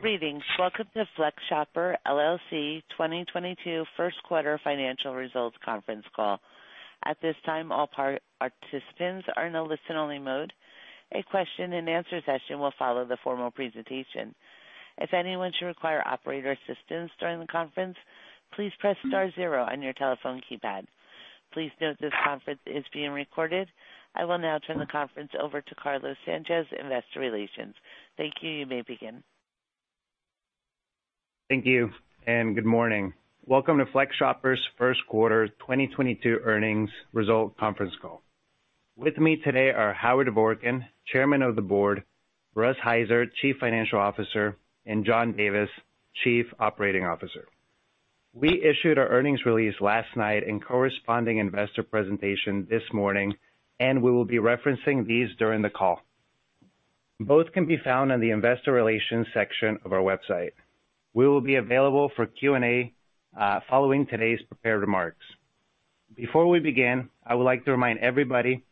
Greetings. Welcome to FlexShopper LLC 2022 First Quarter Financial Results Conference Call. At this time, all participants are in a listen-only mode. A question and answer session will follow the formal presentation. If anyone should require operator assistance during the conference, please press star zero on your telephone keypad. Please note this conference is being recorded. I will now turn the conference over to Carlos Sanchez, Investor Relations. Thank you. You may begin. Thank you, and good morning. Welcome to FlexShopper's First Quarter 2022 Earnings Results Conference Call. With me today are Howard Dvorkin, Chairman of the Board, Russ Heiser, Chief Financial Officer, and John Davis, Chief Operating Officer. We issued our earnings release last night and a corresponding investor presentation this morning, and we will be referencing these during the call. Both can be found on the investor relations section of our website. We will be available for Q&A following today's prepared remarks. Before we begin, I would like to remind everybody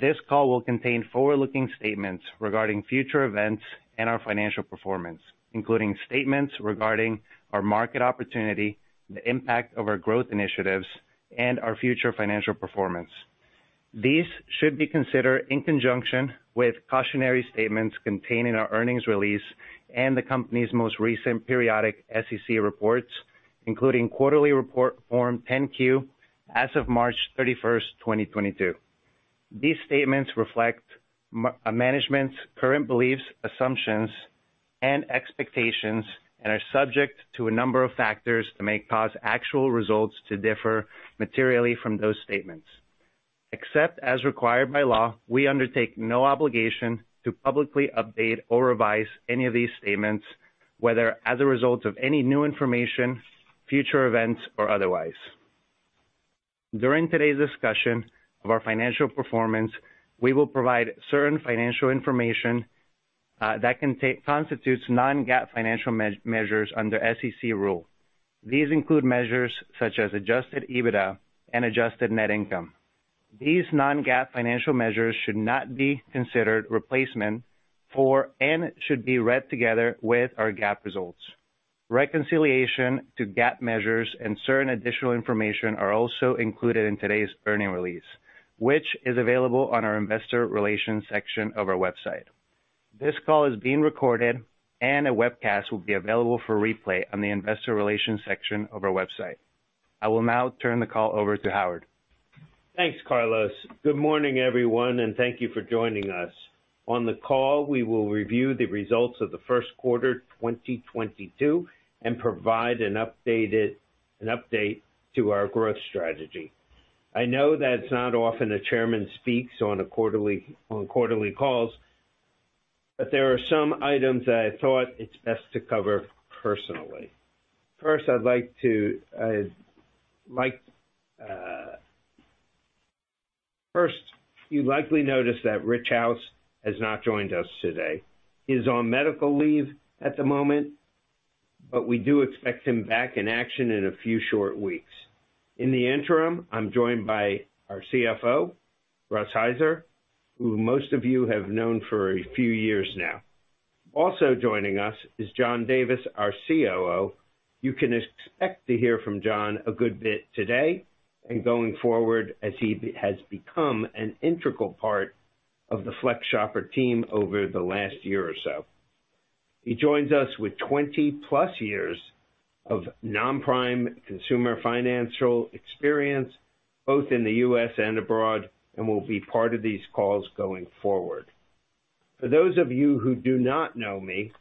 this call will contain forward-looking statements regarding future events and our financial performance, including statements regarding our market opportunity, the impact of our growth initiatives, and our future financial performance. These should be considered in conjunction with cautionary statements contained in our earnings release and the company's most recent periodic SEC reports, including quarterly report form 10-Q as of March 31st, 2022. These statements reflect management's current beliefs, assumptions, and expectations and are subject to a number of factors that may cause actual results to differ materially from those statements. Except as required by law, we undertake no obligation to publicly update or revise any of these statements, whether as a result of any new information, future events, or otherwise. During today's discussion of our financial performance, we will provide certain financial information that constitutes non-GAAP financial measures under SEC rule. These include measures such as adjusted EBITDA and adjusted net income. These non-GAAP financial measures should not be considered replacement for and should be read together with our GAAP results. Reconciliation to GAAP measures and certain additional information are also included in today's earnings release, which is available on our investor relations section of our website. This call is being recorded, and a webcast will be available for replay on the investor relations section of our website. I will now turn the call over to Howard. Thanks, Carlos. Good morning, everyone, and thank you for joining us. On the call, we will review the results of the first quarter 2022 and provide an update to our growth strategy. I know that it's not often a Chairman speaks on quarterly calls, but there are some items that I thought it's best to cover personally. First, you likely noticed that Rich House has not joined us today. He's on medical leave at the moment, but we do expect him back in action in a few short weeks. In the interim, I'm joined by our CFO, Russ Heiser, who most of you have known for a few years now. Also joining us is John Davis, our COO. You can expect to hear from John a good bit today and going forward as he has become an integral part of the FlexShopper team over the last year or so. He joins us with 20+ years of non-prime consumer financial experience, both in the U.S. and abroad, and will be part of these calls going forward. For those of you who do not know me,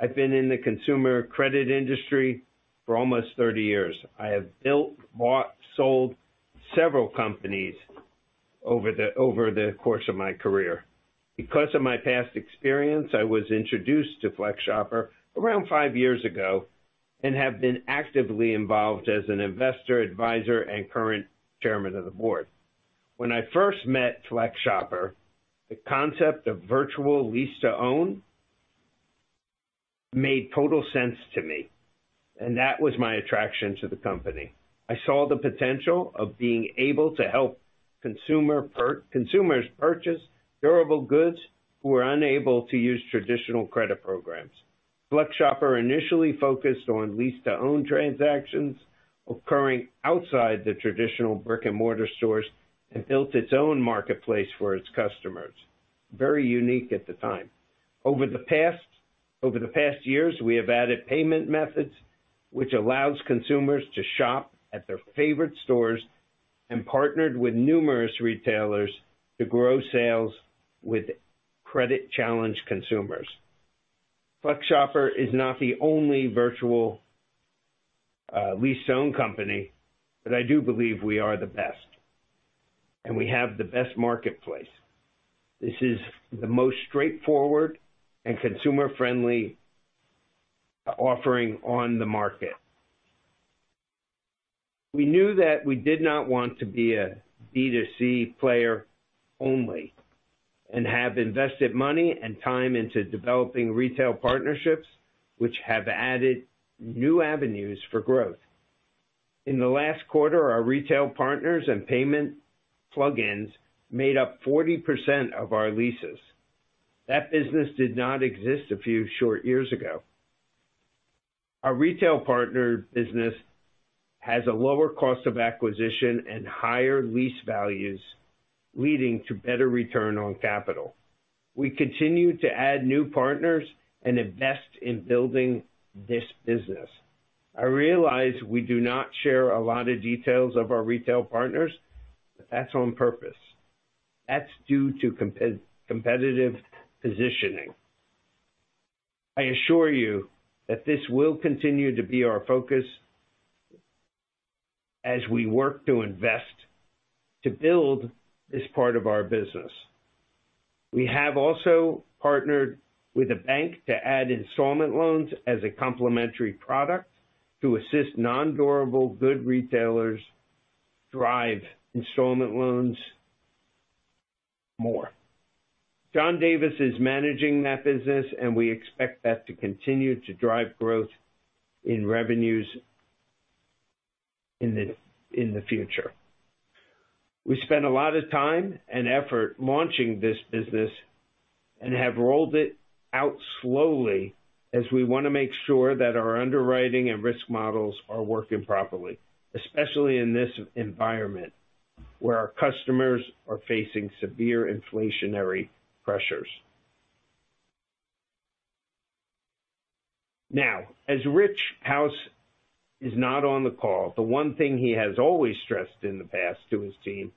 I've been in the consumer credit industry for almost 30 years. I have built, bought, sold several companies over the course of my career. Because of my past experience, I was introduced to FlexShopper around five years ago and have been actively involved as an investor, advisor, and current Chairman of the Board. When I first met FlexShopper, the concept of virtual lease-to-own made total sense to me, and that was my attraction to the company. I saw the potential of being able to help consumers purchase durable goods who are unable to use traditional credit programs. FlexShopper initially focused on lease-to-own transactions occurring outside the traditional brick-and-mortar stores and built its own marketplace for its customers. Very unique at the time. Over the past years, we have added payment methods, which allows consumers to shop at their favorite stores and partnered with numerous retailers to grow sales with credit-challenged consumers. FlexShopper is not the only virtual lease-to-own company, but I do believe we are the best, and we have the best marketplace. This is the most straightforward and consumer-friendly offering on the market. We knew that we did not want to be a B2C player only and have invested money and time into developing retail partnerships which have added new avenues for growth. In the last quarter, our retail partners and payment plugins made up 40% of our leases. That business did not exist a few short years ago. Our retail partner business has a lower cost of acquisition and higher lease values, leading to better return on capital. We continue to add new partners and invest in building this business. I realize we do not share a lot of details of our retail partners. That's on purpose. That's due to competitive positioning. I assure you that this will continue to be our focus as we work to invest to build this part of our business. We have also partnered with a bank to add installment loans as a complementary product to assist non-durable goods retailers drive installment loans more. John Davis is managing that business, and we expect that to continue to drive growth in revenues in the future. We spend a lot of time and effort launching this business and have rolled it out slowly as we wanna make sure that our underwriting and risk models are working properly, especially in this environment where our customers are facing severe inflationary pressures. Now, as Rich House is not on the call, the one thing he has always stressed in the past to his team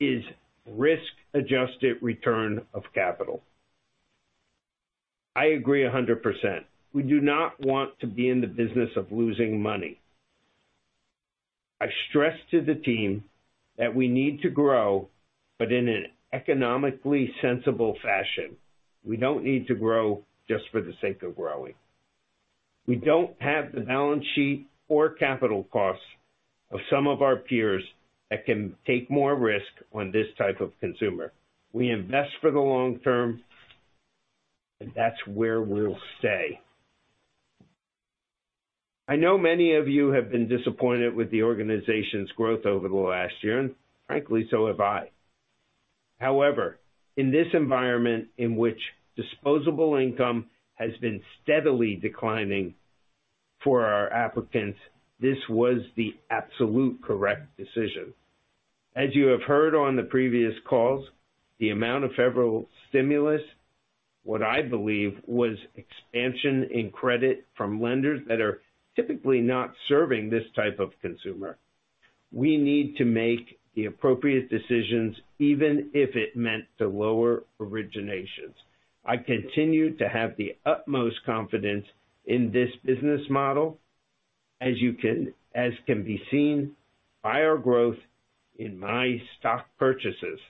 is risk-adjusted return of capital. I agree 100%. We do not want to be in the business of losing money. I stress to the team that we need to grow, but in an economically sensible fashion. We don't need to grow just for the sake of growing. We don't have the balance sheet or capital costs of some of our peers that can take more risk on this type of consumer. We invest for the long term, and that's where we'll stay. I know many of you have been disappointed with the organization's growth over the last year, and frankly, so have I. However, in this environment in which disposable income has been steadily declining for our applicants, this was the absolute correct decision. As you have heard on the previous calls, the amount of federal stimulus, what I believe was expansion in credit from lenders that are typically not serving this type of consumer. We need to make the appropriate decisions, even if it meant to lower originations. I continue to have the utmost confidence in this business model as can be seen by our growth in my stock purchases,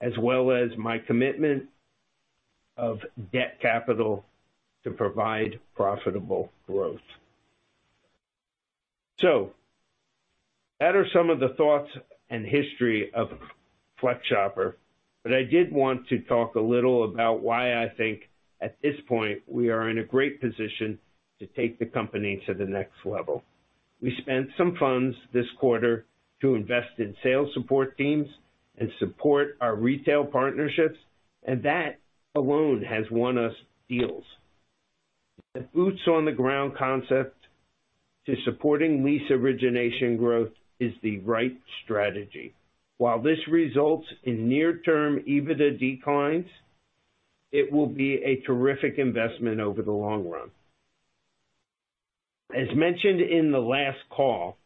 as well as my commitment of debt capital to provide profitable growth. That are some of the thoughts and history of FlexShopper, but I did want to talk a little about why I think at this point, we are in a great position to take the company to the next level. We spent some funds this quarter to invest in sales support teams and support our retail partnerships, and that alone has won us deals. The boots on the ground concept to supporting lease origination growth is the right strategy. While this results in near term EBITDA declines, it will be a terrific investment over the long run. As mentioned in the last call,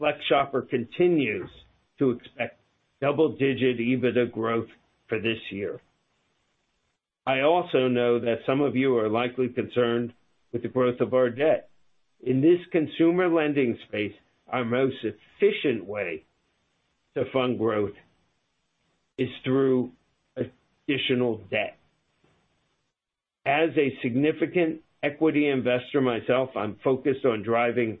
FlexShopper continues to expect double-digit EBITDA growth for this year. I also know that some of you are likely concerned with the growth of our debt. In this consumer lending space, our most efficient way to fund growth is through additional debt. As a significant equity investor myself, I'm focused on driving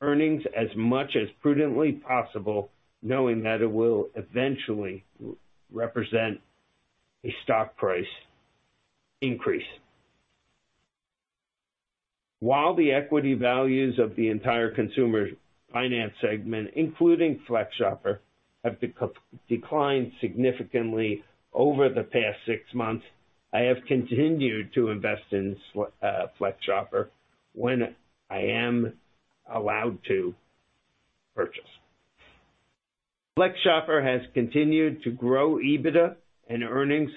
earnings as much as prudently possible, knowing that it will eventually represent a stock price increase. While the equity values of the entire consumer finance segment, including FlexShopper, have declined significantly over the past six months, I have continued to invest in FlexShopper when I am allowed to purchase. FlexShopper has continued to grow EBITDA and earnings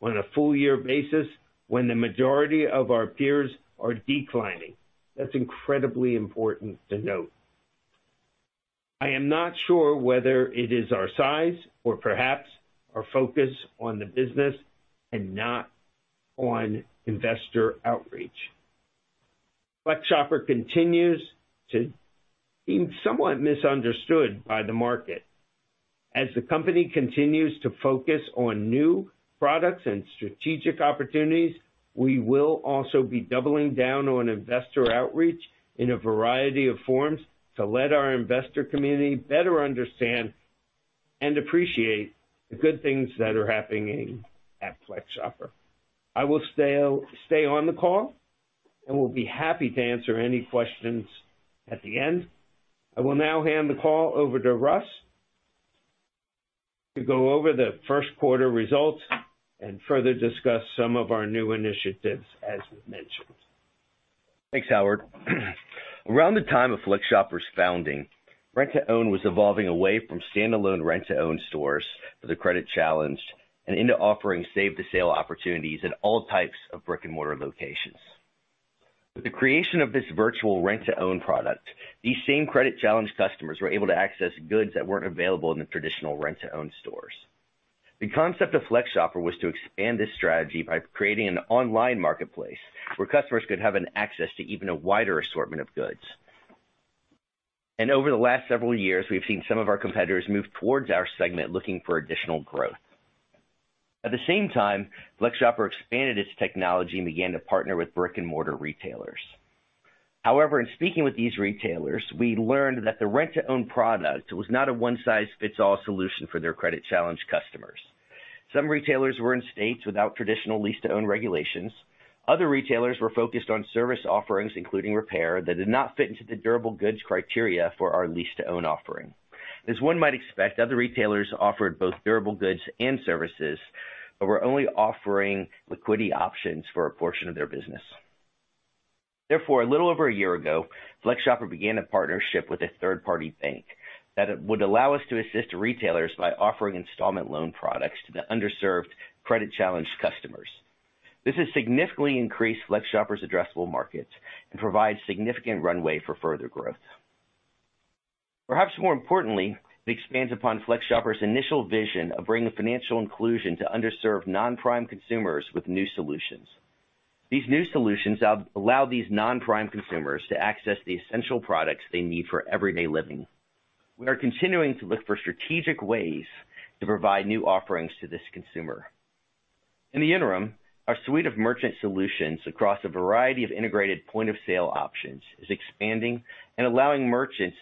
on a full year basis when the majority of our peers are declining. That's incredibly important to note. I am not sure whether it is our size or perhaps our focus on the business and not on investor outreach. FlexShopper continues to be somewhat misunderstood by the market. As the company continues to focus on new products and strategic opportunities, we will also be doubling down on investor outreach in a variety of forms to let our investor community better understand and appreciate the good things that are happening at FlexShopper. I will stay on the call, and we'll be happy to answer any questions at the end. I will now hand the call over to Russ to go over the first quarter results and further discuss some of our new initiatives as mentioned. Thanks, Howard. Around the time of FlexShopper's founding, rent-to-own was evolving away from stand-alone rent-to-own stores for the credit-challenged and into offering same-as-sale opportunities at all types of brick-and-mortar locations. With the creation of this virtual rent-to-own product, these same credit challenged customers were able to access goods that weren't available in the traditional rent-to-own stores. The concept of FlexShopper was to expand this strategy by creating an online marketplace where customers could have access to even a wider assortment of goods. Over the last several years, we've seen some of our competitors move towards our segment, looking for additional growth. At the same time, FlexShopper expanded its technology and began to partner with brick-and-mortar retailers. However, in speaking with these retailers, we learned that the rent-to-own product was not a one-size-fits-all solution for their credit challenged customers. Some retailers were in states without traditional lease-to-own regulations. Other retailers were focused on service offerings, including repair, that did not fit into the durable goods criteria for our lease-to-own offering. As one might expect, other retailers offered both durable goods and services, but were only offering liquidity options for a portion of their business. Therefore, a little over a year ago, FlexShopper began a partnership with a third-party bank that would allow us to assist retailers by offering installment loan products to the underserved credit challenged customers. This has significantly increased FlexShopper's addressable markets and provides significant runway for further growth. Perhaps more importantly, it expands upon FlexShopper's initial vision of bringing financial inclusion to underserved non-prime consumers with new solutions. These new solutions allow these non-prime consumers to access the essential products they need for everyday living. We are continuing to look for strategic ways to provide new offerings to this consumer. In the interim, our suite of merchant solutions across a variety of integrated point-of-sale options is expanding and allowing merchants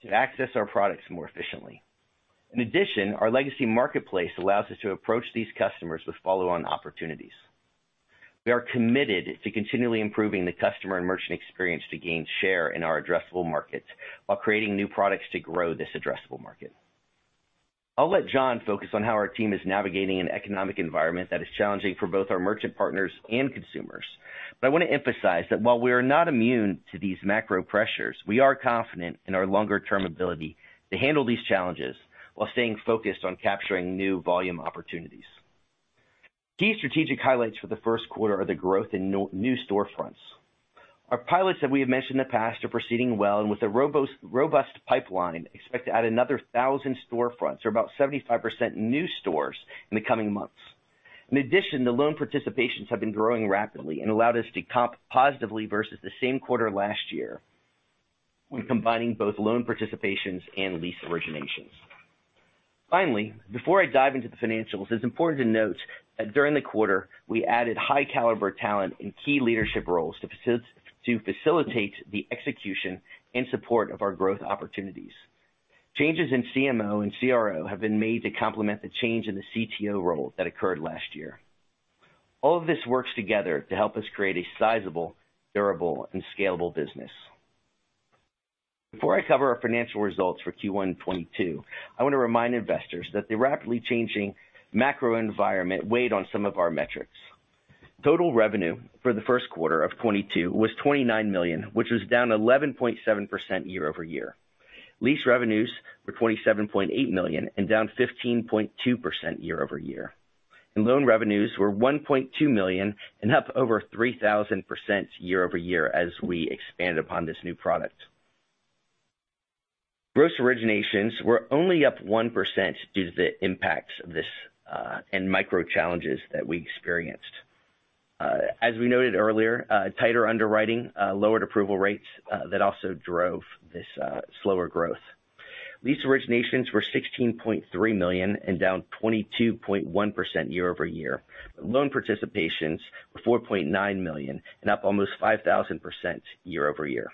to access our products more efficiently. In addition, our legacy marketplace allows us to approach these customers with follow-on opportunities. We are committed to continually improving the customer and merchant experience to gain share in our addressable markets while creating new products to grow this addressable market. I'll let John focus on how our team is navigating an economic environment that is challenging for both our merchant partners and consumers. I want to emphasize that while we are not immune to these macro pressures, we are confident in our longer term ability to handle these challenges while staying focused on capturing new volume opportunities. Key strategic highlights for the first quarter are the growth in new storefronts. Our pilots that we have mentioned in the past are proceeding well, and with a robust pipeline, expect to add another 1,000 storefronts or about 75% new stores in the coming months. In addition, the loan participations have been growing rapidly and allowed us to comp positively versus the same quarter last year when combining both loan participations and lease originations. Finally, before I dive into the financials, it's important to note that during the quarter, we added high caliber talent in key leadership roles to facilitate the execution in support of our growth opportunities. Changes in CMO and CRO have been made to complement the change in the CTO role that occurred last year. All of this works together to help us create a sizable, durable and scalable business. Before I cover our financial results for Q1 2022, I want to remind investors that the rapidly changing macro environment weighed on some of our metrics. Total revenue for the first quarter of 2022 was $29 million, which was down 11.7% year-over-year. Lease revenues were $27.8 million and down 15.2% year-over-year. Loan revenues were $1.2 million and up over 3,000% year-over-year as we expanded upon this new product. Gross originations were only up 1% due to the impacts of this, and macro challenges that we experienced. As we noted earlier, tighter underwriting, lowered approval rates, that also drove this, slower growth. Lease originations were $16.3 million and down 22.1% year-over-year. Loan participations were $4.9 million and up almost 5,000% year-over-year.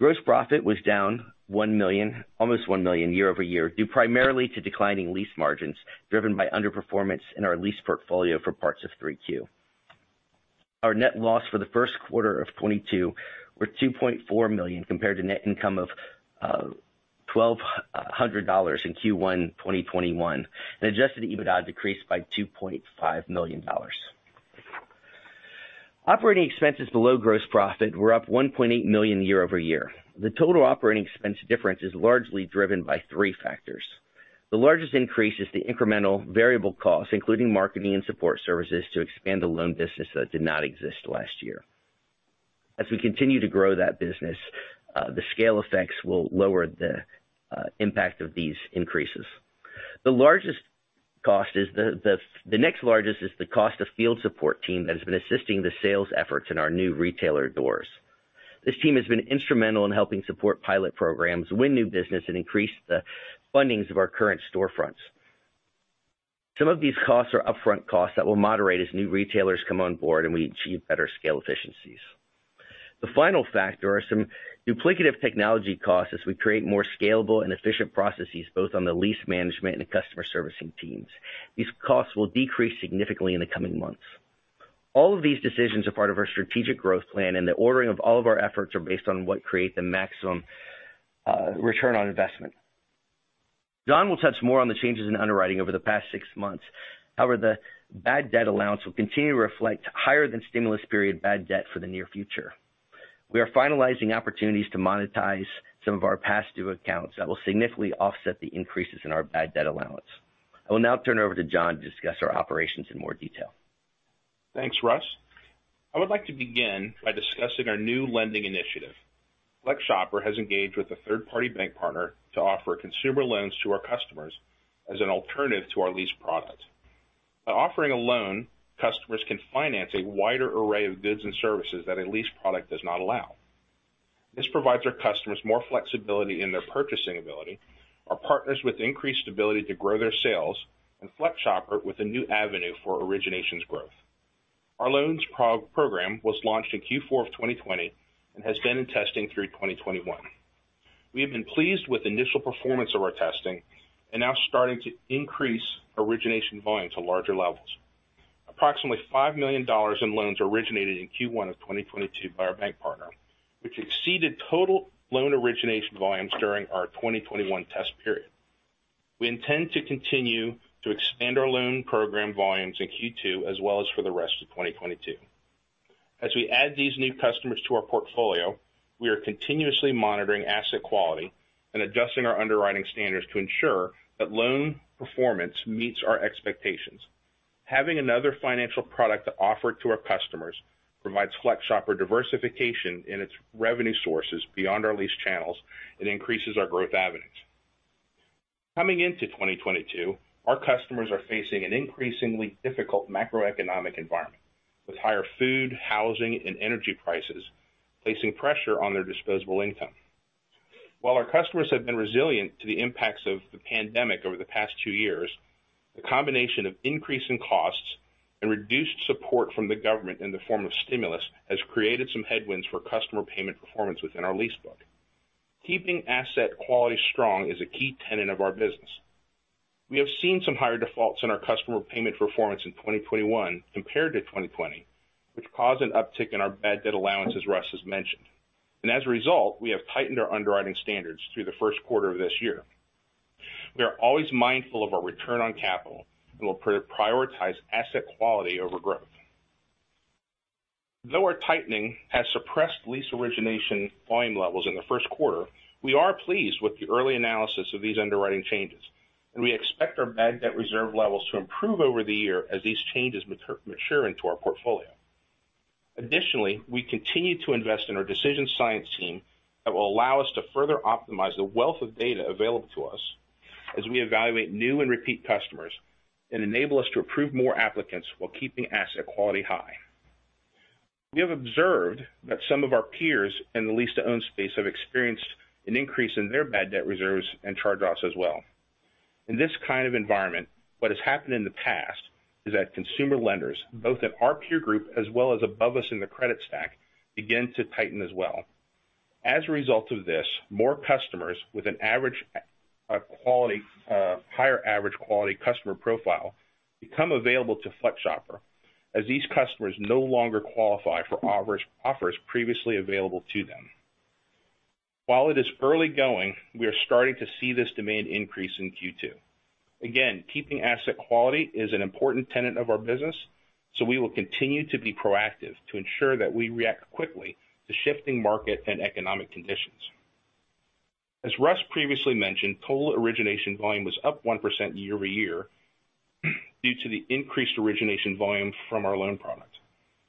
Gross profit was down $1 million, almost $1 million year-over-year, due primarily to declining lease margins, driven by underperformance in our lease portfolio for parts of Q3. Our net loss for the first quarter of 2022 were $2.4 million, compared to net income of $1,200 in Q1 2021, and adjusted EBITDA decreased by $2.5 million. Operating expenses below gross profit were up $1.8 million year-over-year. The total operating expense difference is largely driven by three factors. The largest increase is the incremental variable costs, including marketing and support services, to expand the loan business that did not exist last year. As we continue to grow that business, the scale effects will lower the impact of these increases. The largest cost is. The next largest is the cost of field support team that has been assisting the sales efforts in our new retailer doors. This team has been instrumental in helping support pilot programs, win new business, and increase the fundings of our current storefronts. Some of these costs are upfront costs that will moderate as new retailers come on board and we achieve better scale efficiencies. The final factor are some duplicative technology costs as we create more scalable and efficient processes, both on the lease management and customer servicing teams. These costs will decrease significantly in the coming months. All of these decisions are part of our strategic growth plan, and the ordering of all of our efforts are based on what create the maximum return on investment. John will touch more on the changes in underwriting over the past six months. However, the bad debt allowance will continue to reflect higher than stimulus period bad debt for the near future. We are finalizing opportunities to monetize some of our past due accounts that will significantly offset the increases in our bad debt allowance. I will now turn it over to John to discuss our operations in more detail. Thanks, Russ. I would like to begin by discussing our new lending initiative. FlexShopper has engaged with a third-party bank partner to offer consumer loans to our customers as an alternative to our lease product. By offering a loan, customers can finance a wider array of goods and services that a lease product does not allow. This provides our customers more flexibility in their purchasing ability, our partners with increased ability to grow their sales, and FlexShopper with a new avenue for originations growth. Our loans program was launched in Q4 of 2020 and has been in testing through 2021. We have been pleased with the initial performance of our testing and now starting to increase origination volume to larger levels. Approximately $5 million in loans originated in Q1 of 2022 by our bank partner, which exceeded total loan origination volumes during our 2021 test period. We intend to continue to expand our loan program volumes in Q2 as well as for the rest of 2022. As we add these new customers to our portfolio, we are continuously monitoring asset quality and adjusting our underwriting standards to ensure that loan performance meets our expectations. Having another financial product to offer to our customers provides FlexShopper diversification in its revenue sources beyond our lease channels and increases our growth avenues. Coming into 2022, our customers are facing an increasingly difficult macroeconomic environment, with higher food, housing, and energy prices placing pressure on their disposable income. While our customers have been resilient to the impacts of the pandemic over the past two years, the combination of increasing costs and reduced support from the government in the form of stimulus has created some headwinds for customer payment performance within our lease book. Keeping asset quality strong is a key tenet of our business. We have seen some higher defaults in our customer payment performance in 2021 compared to 2020, which caused an uptick in our bad debt allowance, as Russ has mentioned. As a result, we have tightened our underwriting standards through the first quarter of this year. We are always mindful of our return on capital and will prioritize asset quality over growth. Though our tightening has suppressed lease origination volume levels in the first quarter, we are pleased with the early analysis of these underwriting changes, and we expect our bad debt reserve levels to improve over the year as these changes mature into our portfolio. Additionally, we continue to invest in our decision science team that will allow us to further optimize the wealth of data available to us as we evaluate new and repeat customers and enable us to approve more applicants while keeping asset quality high. We have observed that some of our peers in the lease-to-own space have experienced an increase in their bad debt reserves and charge-offs as well. In this kind of environment, what has happened in the past is that consumer lenders, both in our peer group as well as above us in the credit stack, begin to tighten as well. As a result of this, more customers with an average, quality, higher average quality customer profile become available to FlexShopper as these customers no longer qualify for offers previously available to them. While it is early going, we are starting to see this demand increase in Q2. Again, keeping asset quality is an important tenet of our business, so we will continue to be proactive to ensure that we react quickly to shifting market and economic conditions. As Russ previously mentioned, total origination volume was up 1% year-over-year due to the increased origination volume from our loan product.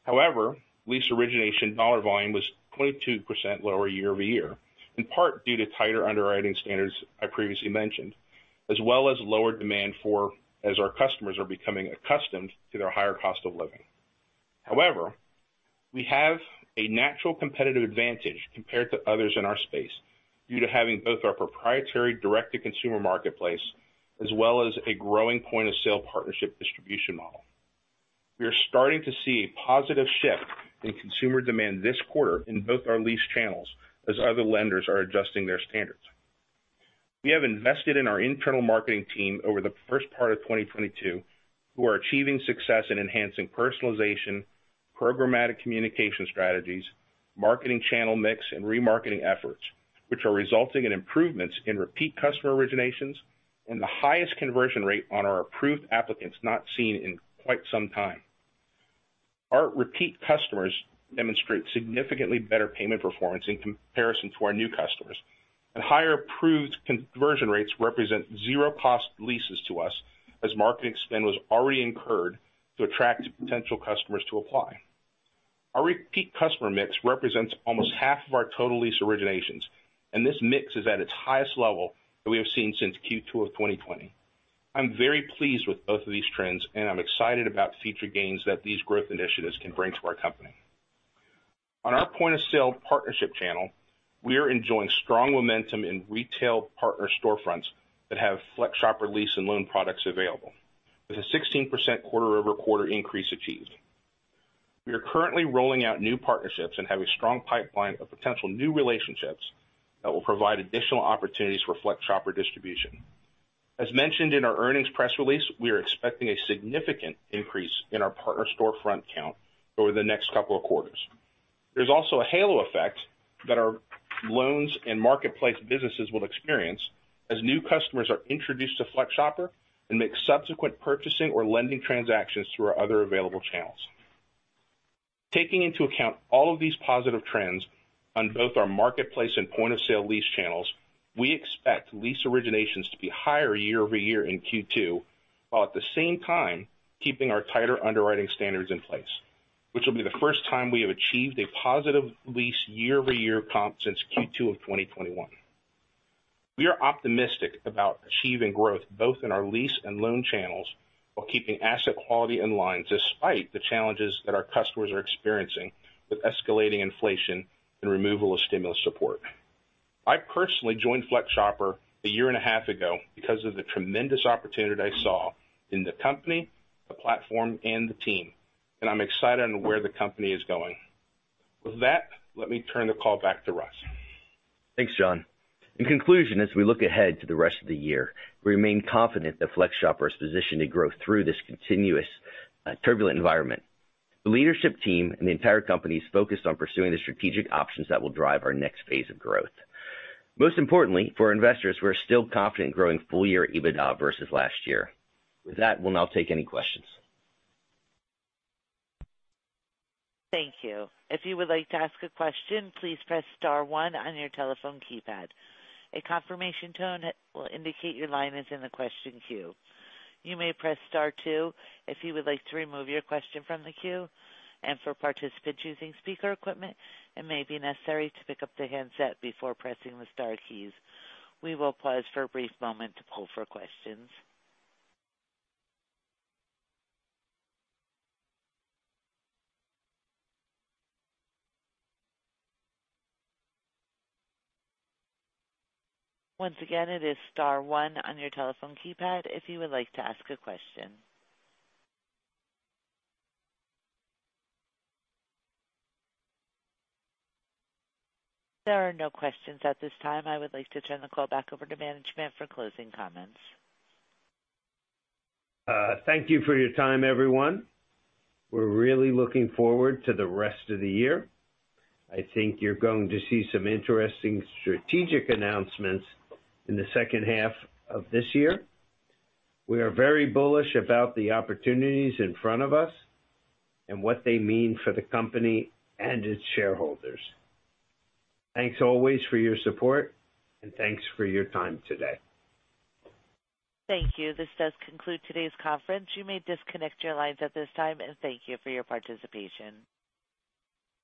However, lease origination dollar volume was 22% lower year-over-year, in part due to tighter underwriting standards I previously mentioned, as well as lower demand, as our customers are becoming accustomed to their higher cost of living. However, we have a natural competitive advantage compared to others in our space due to having both our proprietary direct-to-consumer marketplace as well as a growing point-of-sale partnership distribution model. We are starting to see a positive shift in consumer demand this quarter in both our lease channels as other lenders are adjusting their standards. We have invested in our internal marketing team over the first part of 2022, who are achieving success in enhancing personalization, programmatic communication strategies, marketing channel mix, and remarketing efforts, which are resulting in improvements in repeat customer originations and the highest conversion rate on our approved applicants not seen in quite some time. Our repeat customers demonstrate significantly better payment performance in comparison to our new customers. Higher approved conversion rates represent zero cost leases to us as marketing spend was already incurred to attract potential customers to apply. Our repeat customer mix represents almost half of our total lease originations, and this mix is at its highest level that we have seen since Q2 of 2020. I'm very pleased with both of these trends, and I'm excited about future gains that these growth initiatives can bring to our company. On our point-of-sale partnership channel, we are enjoying strong momentum in retail partner storefronts that have FlexShopper lease and loan products available, with a 16% quarter-over-quarter increase achieved. We are currently rolling out new partnerships and have a strong pipeline of potential new relationships that will provide additional opportunities for FlexShopper distribution. As mentioned in our earnings press release, we are expecting a significant increase in our partner storefront count over the next couple of quarters. There's also a halo effect that our loans and marketplace businesses will experience as new customers are introduced to FlexShopper and make subsequent purchasing or lending transactions through our other available channels. Taking into account all of these positive trends on both our marketplace and point-of-sale lease channels, we expect lease originations to be higher year-over-year in Q2, while at the same time keeping our tighter underwriting standards in place, which will be the first time we have achieved a positive lease year-over-year comp since Q2 of 2021. We are optimistic about achieving growth both in our lease and loan channels while keeping asset quality in line despite the challenges that our customers are experiencing with escalating inflation and removal of stimulus support. I personally joined FlexShopper a year and a half ago because of the tremendous opportunity I saw in the company, the platform, and the team, and I'm excited on where the company is going. With that, let me turn the call back to Russ. Thanks, John. In conclusion, as we look ahead to the rest of the year, we remain confident that FlexShopper is positioned to grow through this continuous, turbulent environment. The leadership team and the entire company is focused on pursuing the strategic options that will drive our next phase of growth. Most importantly, for investors, we're still confident in growing full-year EBITDA versus last year. With that, we'll now take any questions. Thank you. If you would like to ask a question, please press star one on your telephone keypad. A confirmation tone will indicate your line is in the question queue. You may press star two if you would like to remove your question from the queue. For participants using speaker equipment, it may be necessary to pick up the handset before pressing the star keys. We will pause for a brief moment to poll for questions. Once again, it is star one on your telephone keypad if you would like to ask a question. There are no questions at this time. I would like to turn the call back over to management for closing comments. Thank you for your time, everyone. We're really looking forward to the rest of the year. I think you're going to see some interesting strategic announcements in the second half of this year. We are very bullish about the opportunities in front of us and what they mean for the company and its shareholders. Thanks always for your support, and thanks for your time today. Thank you. This does conclude today's conference. You may disconnect your lines at this time, and thank you for your participation.